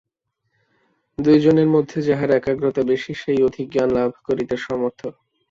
দুইজনের মধ্যে যাহার একাগ্রতা বেশী, সেই অধিক জ্ঞান লাভ করিতে সমর্থ।